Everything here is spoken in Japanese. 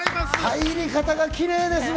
入り方がキレイですね。